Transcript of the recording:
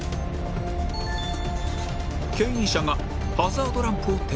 牽引車がハザードランプを点灯